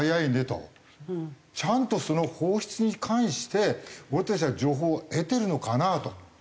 ちゃんと放出に関して俺たちは情報を得てるのかなと。